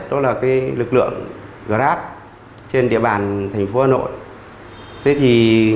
đó là lực lượng grab trên địa bàn thành phố hà nội